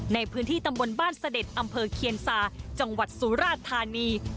ในพื้นที่ตำบลบ้านเสด็จอำเภอเคียนซาจังหวัดสุราชธานี